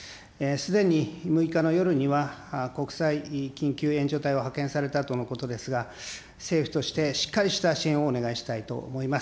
すでに６日の夜には国際緊急援助隊を派遣されたとのことですが、政府としてしっかりした支援をお願いしたいと思います。